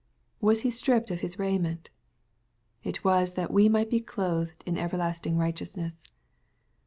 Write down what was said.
— Was He stripped of His raiment ? It was that we might be clothed in everlasting righteousness.